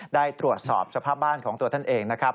ได้ตรวจสอบสภาพบ้านของตัวท่านเองนะครับ